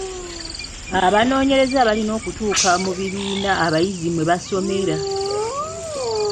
Abanoonyereza baalina okutuuka mu bibiina abayizi mwe basomera.